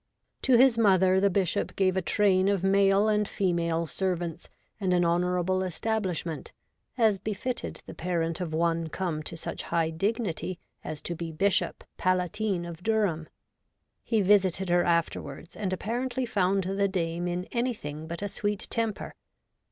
' To his mother the Bishop gave a train of male and female servants, and an honourable establish ment, as befitted the parent of one come to such high dignity as to be Bishop Palatine of Durham. He visited her afterwards, and apparently found the dame in anything but a sweet temper.